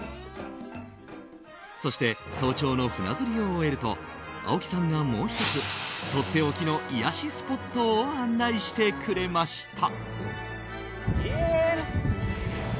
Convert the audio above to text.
そして、早朝の船釣りを終えると青木さんが、もう１つとっておきの癒やしスポットを案内してくれました。